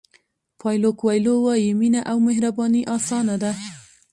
پایلو کویلو وایي مینه او مهرباني اسانه ده.